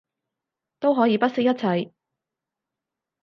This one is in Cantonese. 都可以不惜一切